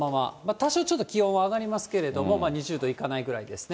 多少、ちょっと気温は上がりますけれども、２０度いかないぐらいですね。